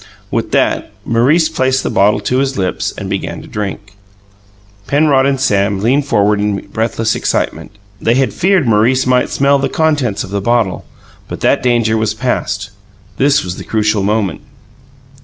With that, Maurice placed the bottle to his lips and began to drink. Penrod and Sam leaned forward in breathless excitement. They had feared Maurice might smell the contents of the bottle; but that danger was past this was the crucial moment.